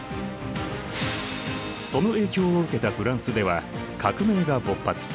その影響を受けたフランスでは革命が勃発。